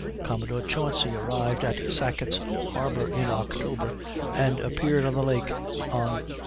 Commodore Chauncy arrived at Sackett's Harbor in October, and appeared on the lake on Nov.